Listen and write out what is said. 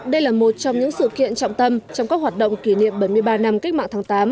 đây là một trong những sự kiện trọng tâm trong các hoạt động kỷ niệm bảy mươi ba năm cách mạng tháng tám